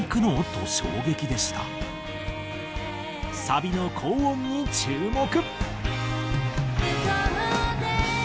サビの高音に注目。